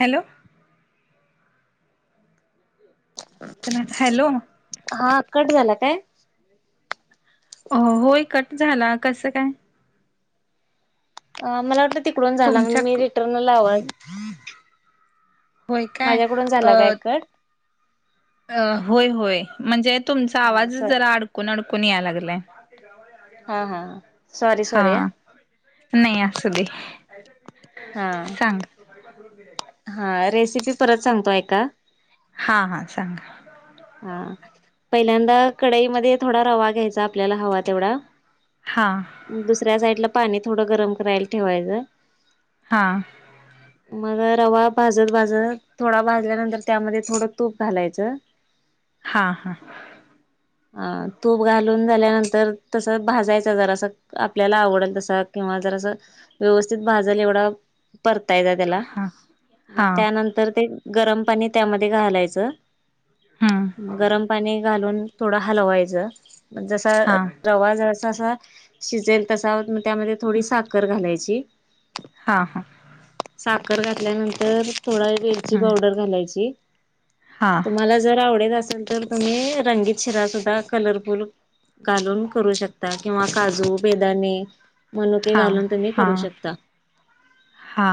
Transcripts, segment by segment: Hello, hello, हा cut झाला काय. हो होय कट झाला कसं काय! मला वाटलं तिकडून झाला आणि तुमच्या मी रिटर्न लावल, होय काय माझ्याकडून झालं काय काय कट, अ होय होय म्हणजे तुमचा हा आवाज स जरा अडकून अडकून याय लागलाय! हा हा सॉरी हा सॉरी नाहीय असुदे, हा. हा, रेसिपी परत सांगतो आहे का? हा हा, सांगा. हा, पहिल्यांदा कडईमध्ये थोडा रवा घ्यायचा आपल्याला हवा तेवढा हां. दुसऱ्या साईड ला पाणी थोडं गरम करायला ठेवायचं. हां. मग रवा भाजत भाजत, थोडा भाजल्यानंतर त्यामध्ये थोडं तूप घालायचं. हां हां. अ तूप घालून झाल्यानंतर, तसच भाजायच जरा अस आपल्याला आवडल तसा, किंवा जरासं व्यवस्थित भाजल एवढा परतायचा त्याला, हा मग हा त्यानंतर ते गरम पाणी त्यामध्ये घालायचं हम्म गरम पाणी घालून थोडं हलवायचं, म जस हा रवा जस जसा शिजेल, तसा त्यामध्ये थोडी साखर घालायची हा हा. साखर घातल्यानंतर थोडा वेलची हम्म पावडर घालायची. हा. तुम्हाला जर आवडेल असल, तर तुम्ही रंगीत शिरा सुद्धा कलरफुल घालून करू शकता, किंवा काजू, बेदाणे मनुके हा घालून तुम्ही हा करू शकता हा.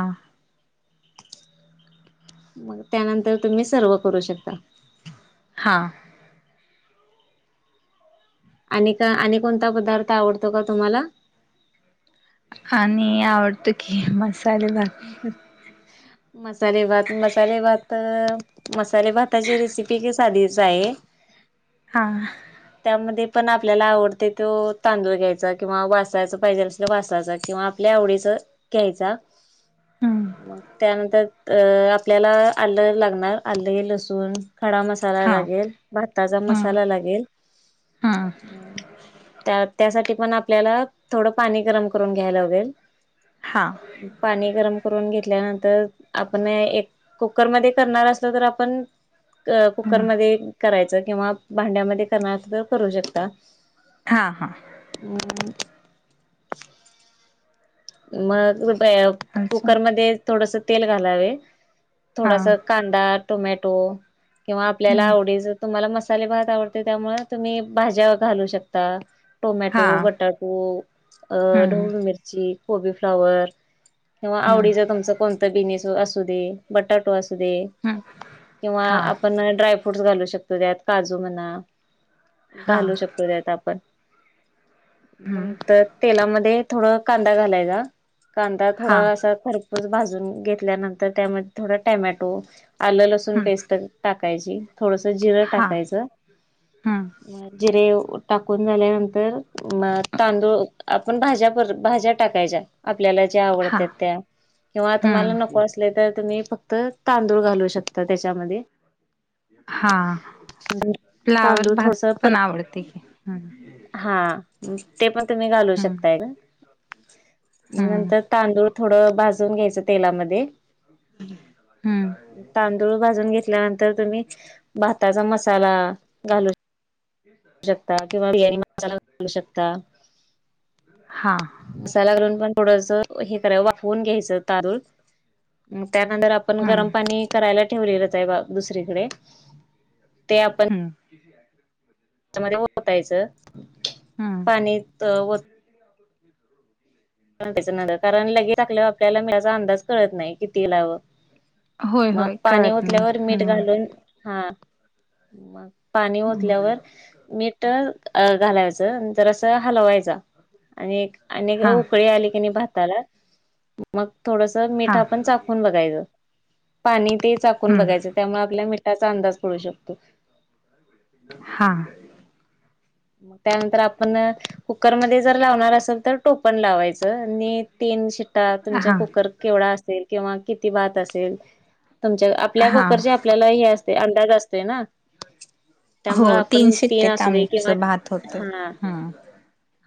मग त्यानंतर तुम्ही सर्व करू शकता. हां. आणि क आणि कोणता पदार्थ आवडतो का तुम्हाला? आणि आवडतो की मसाले भात. मसाले भात, मसाला भातं मसाले भाताची रेसिपी की साधीच आहे हा. त्यामध्ये पण आपल्याला आवडते तो तांदूळ घ्यायचा, किंवा वासायच पाहिजे असल तर वासायचा किंवा आपल्या आवडीच घ्यायचा, हम्म मग त्यानंतर अ आपल्याला आलं लागणार, आले, लसूण, खडा मसा मसाला हा लागेल, भाताचा हा मसाला लागेल हा अ त्या, त्यासाठी पण आपल्याला, थोडं पाणी गरम करून घ्यायला लागेल हां. पाणी गरम करून घेतल्यानंतर आपण एक कुकर मधे करणार असलं तर आपण अ कुकर हम्म मधे करायचं, किंवा भांड्यामध्ये करणार आसाल तर करू शकता. हा ह. ऊ. मग [unintelligible] अजून कुकरमध्ये थोडसं तेल घालावे, हा थोडासा कांदा, टोमॅटो किंवा आपल्याला हम्म आवडीचा तुम्हाला मस मसाले भात आवडतोय त्यामुळं तुम्ही भाज्या घालू शकता. टोमॅटो, हा बटाटो, अ हम्म ढोबळी मिरची, कोबी, फ्लावर किंवा हम्म आवडीच तुमच कोणतं बिनीस असूदे, बटाटो असूदे हम्म किंवा हा आपण ड्राय फ्रूट्स घालू शकतो त्यात, काजू म्हणा हा घालू शकतो त्यात आपण, मं हम्म त तेलामध्ये थोड कांदा घालायचा, कांदा हा थोडा असा खरपूस भाजून घेतल्यानंतर त्यामध्ये थोडा टॅमॅटो आलं लसून हम्म पेस्ट टाकायची, थोडस जिरं हा टाकायचं. हम्म जिरे टाकून झाल्यानंतर म तांदूळ, आपण भाज्या भाज्या टाकायच्या, आपल्याला ज्या हा आवडत्यात त्या. किंवा तुम्हाला हम्म नको असले तर तुम्ही फक्त तांदूळ घालू शकता त्याच्यामध्ये हा, फ्लावर तांदूळ भात थोडस पण परत आवडतोय की. हा, ते पण तुम्ही घालू हम्म शकताय [inaudible] मग नंतर तांदूळ थोडं भाजून घ्यायचं तेलामध्ये हम्म तांदूळ भाजून घेतल्यानंतर तुम्ही भाताचा मसाला घालू शकता किंवा बिर्याणी मसाला घालू शकता हा. मसाला घालून पण थोडस हे करावं वाफवून घ्यायचं तांदूळ त्यानंतर आपण गरम हम्म पाणी करायला ठेवलेलंच बा दुसरीकडे ते आपण हम् [inaudible] त्यामध्ये वतायचं हम्म पाणी वत न कारण लगेच टाकल्यावर ल्या आपल्याला मिठाचा अंदाज कळत नाही किती लावं होय मग होय पाणी कळत नाही ओतल्यावर मीठ हम्म घालून हा मग पाणी हम्म ओतल्यावर मीठ घालायचं जरासा असं हलवायच आणि आणि हा उकळी आली की नाही भाताला मग थोडस मिठ हा आपण चाकून बघायच. पाणी ते चाकून हम्म बघायचं त्यामुळे आपल्या मिठाचा अंदाज कळू शकतोय. हा. मग त्यानंतर आपण कुकरमध्ये जर लावणार असेल तर टोपण लावायच. आणि तीन शिट्टा तुमच्या हा कुकर केवढा असेल किंवा किती भात असेल आपल्या हा कुकरचे आपल्याला हे असते अंदाज असतोय ना. त्यामुळे हो आपण तीन शिट्टेत असू दे किंवा आमचं भात होते हा हम्म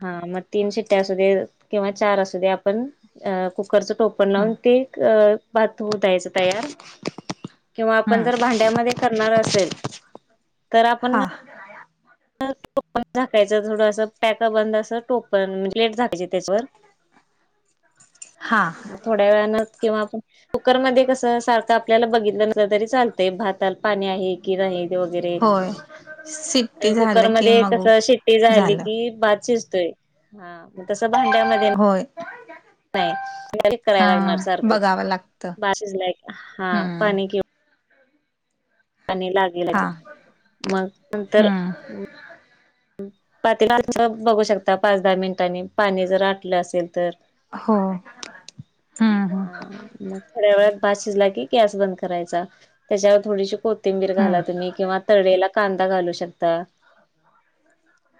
हा मग तीन शिट्ट्या असू दे किंवा चार असू दे आपण अ कुकरचं टोपण हम्म लावून ते भात हु द्यायचं तयार. किंवा आपण हम्म जर भांड्यामध्ये करणार असेल तर आपण रा [inaudible] टोपण झाकायचं थोडं असं पॅक बंद अस टोपण म्हणजे प्लेट झाकायची त्याच्यावर. हा. थोड्या वेळान किंवा कुकरमध्ये कस सारख आपल्याला बघितलं नस तरी चालत भातात पाणी आहे की नाही ते वगैरे स [unintelligible] आणि कुकरमध्ये कस शिट्टी झाली की भात शिजतोय. हा मग तस भांड्यामध्ये होय. नाही हा करायला लागणार सारख, बघावं लागतं भात शिजलाय का, हा हम्म पाणी कि आणि लागेल हा मग नंतर हम्म पातेल्यात कस बघू शकता पाच दहा मिनिटांनी पाणी जर आटलं असेल तर हो, हम्म. हम्म हा मग थोड्या वेळात भात शिजला की गॅस बंद करायचा त्याच्यावर थोडीशी को तिंबीर हम्म घाला तुम्ही किंवा तळवेला कांदा घालू शकता,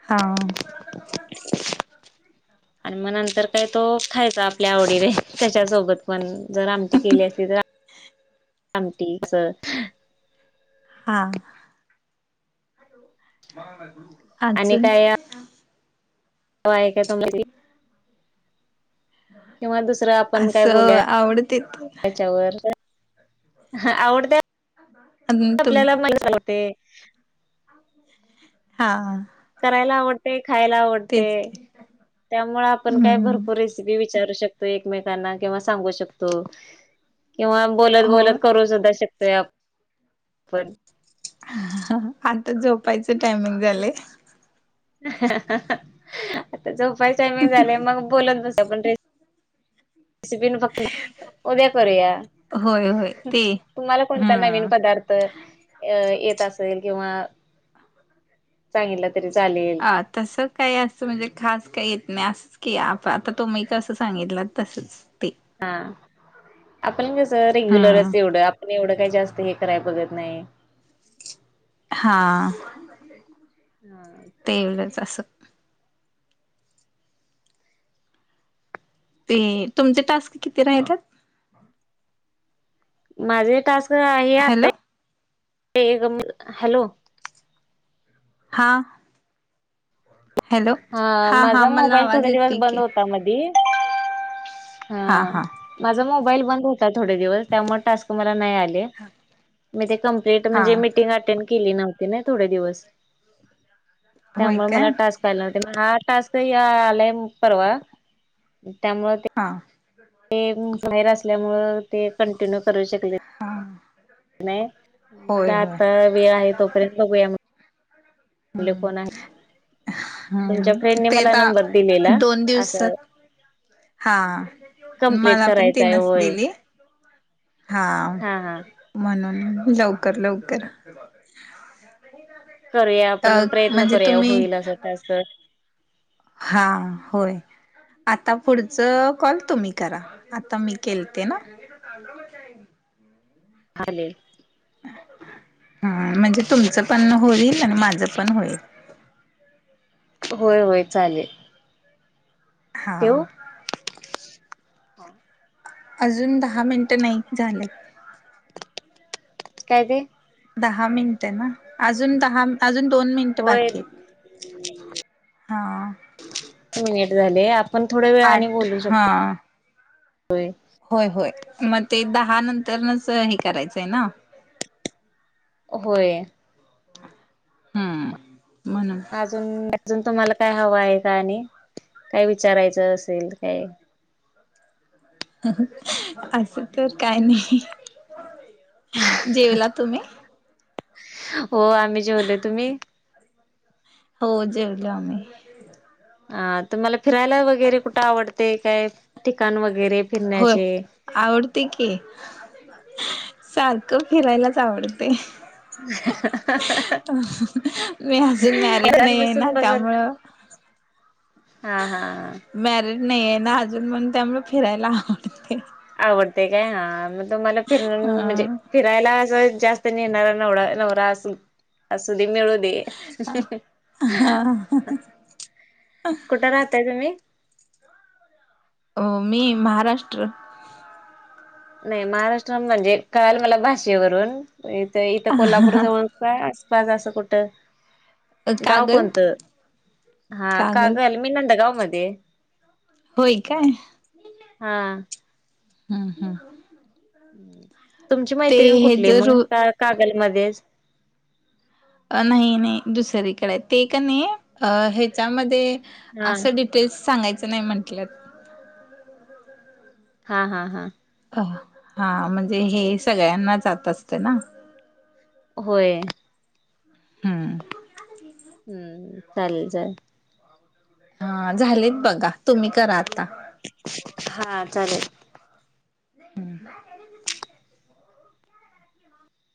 हा, आणि मग नंतर काय तो खायचा आपल्या आवडीने त्याच्यासोबत पण जर आमटी केली असती तर आमठीस हा, अजून होय काय तुम्ही किंवा दुसरं आपण काय बोलू असं आवडते त्याच्यावर ह आवडते अजून तुम आपल्याला मला चालते, हा. आ. करायला आवडते खायला आवडते की त्यामुळे आपण काय हम्म भरपूर विचारू शकतो एकमेकना किंवा सांग शकतो किंवा बोलत हो बोलत करू सुद्धा शकतोय आप आपण ह्.. आता झोपायचं टायमिंग झालेय. ह्.. ह.. आता झोपायचाय मंग झाले मग बोलत बस आपण रेस सिविल बकला उद्या करू या होय होय ते तुम्हाला कोणता नवीन हम्म पदार्थ अ... येत असेल किंवा सागितला तरी चालेल. अ.. तसं काही असतं म्हणजे खास काही असत की आता तुम्ही कसं सांगितलं तसच, ते हा... आपण कस हम्म रेग्युलरच एवढं आपण एवढं काय जास्त हे कराय बघत नाही. हा.. हा [inaudible] ते एवढंच असं ते ते.. तुमचे टास्क किती राहिलेत. माझे टास्क आहे आता.. हॅलो हॅलो! हा.. हॅलो हा.. आ.. हा माझा मला मोबाईल आवाज थोडे दिवस येतोय बंद की होता मधी हा माझा मोबाईल बंद हो थोडे दिवस त्यामुळे टास्क मला नाही आले मी कमते हा म्हणजे मीटिंग अटेंड केली नव्हती ना थोडे दिवस, होय त्यामुळे काय मला टास्क केले होते ना हा टास्क आलाय परवा त्यामुळे ते हां ते बाहेर असल्यामुळ ते कंटिन्यू करू शकले. हा नाही, होय होय दाता आ वि आहे तोपर्यंत बघूया म्हणलं. म्हणलं कोण आहे. ह.. तुमच्या फ्रेंडने ते मला ता नंबर दिलेला दोन दिवसात असं हा.. आ. कंप्लीट मला पण करायचं आहे तीनच होय. दिली हा... हा हा म्हणून.. लवकर -लवकर करूया अ आपण प्रयत्न म्हणजे करूया तुम्ही होईल असं कस हा... होय आता पुढच.. कॉल तुम्ही करा, आता मी केलते ना [inaudible] आले. ह्म्म.. म्हणजे तुमचं पण होईल आणि माझं पण होईल. होय होय चालेल. ठेवू? हां.. अजून दहा मिनटं नाही झालेत. काय ते. दहा मिनिट ना, अजून दहा अजून दोन मिनिटं होय बाकी आहेत. हा मिनिट झाले आ पण थोड्या वेळ आठ बोलू शकतो, हा व्हय होय होय मग ते दहा नंतरच हे करायचंय ना होय. हम्म.. म्हणून अज अजून तुम्हाला काय हव आहे का आणि काय विचारायचं असेल काय? असं तर काय नाही, जेवला तुम्ही? हो आम्ही जेवलो तुम्ही? हो जेवल आम्ही. अ तुम्हाला फिरायला वगैरे कुठे आवडते काय ठिकाण वगैरे, होय. फिरण्याचे आवडते की सारखं फिरायलाच आवडते. मी अजून मॅरिड घरात नाही आहे ना बसून बसून त्यामुळं, हा हा हां! मॅरिड नाही आहे ना अजून मण त्यामुळं फिरायला आवडते. आवडते काय हा मग तुम्हाला फिर म्हणजे, अ फिरायला अस जास्त नेणारा नव नवरा अस मिळून, कुठे राहताय तुम्ही? हो मी महाराष्ट्र. नाही महाराष्ट्र म्हणजे कळालं मला भाषेवरून इथ इथं कोल्हापूर जवळून, का आसपास असं कुठं, गाव कागल कोणतं? हा कागल मी नंदा गावमध्ये. होय काय? हा! हा हा तुमची ते मैत्रीण हे कुठली जर मग का कागलमध्येच. अं नाही नाही दुसरीकडे ते का नाही अ ह्याच्यामध्ये हा असं, तेच सांगायचं नाही म्हटलंत. हा हा हा! अ हा म्हणजे हे सगळ्यांना जात असते ना. होय का हां हम्म चालेल जाय. हा झालेत बघा तुम्ही करा आता. हा चालेल. [inaudible]